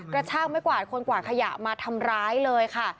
กระชากไม่กวาดคนกวาดขยะมาทำร้ายเลยค่ะ